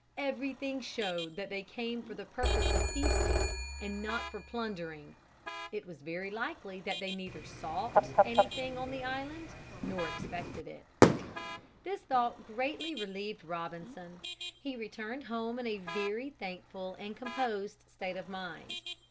Everything showed that they came for the purpose of feasting and not for plundering. It was very likely that they neither sought anything on the island nor expected it. [Illustration: WATCHING FOR SAVAGES] This thought greatly relieved Robinson. He returned home in a very thankful and composed state of mind.